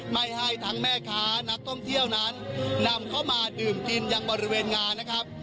ไม่ให้ทั้งแม่ค้านักท่องเที่ยวนั้นนำเข้ามาดื่มกินยังบริเวณงานนะครับ